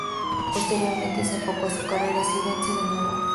Posteriormente, se enfocó a su carrera circense de nuevo.